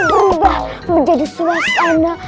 berubah menjadi suasana